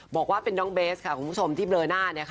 บอกว่าเป็นน้องเบสค่ะคุณผู้ชมที่เบลอหน้าเนี่ยค่ะ